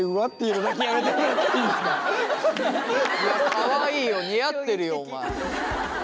かわいいよ似合ってるよお前。